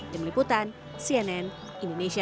demi liputan cnn indonesia